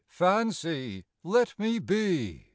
Fancy ! let me be !